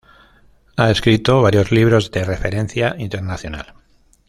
Ha escrito varios libros de referencia internacional.